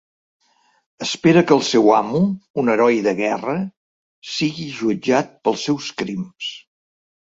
Espera que el seu amo, un heroi de guerra, sigui jutjat pels seus crims.